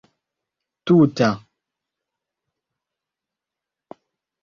tuta